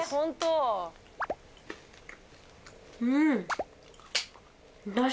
うん！